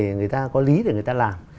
thì người ta có lý để người ta làm